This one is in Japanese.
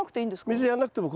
水やらなくても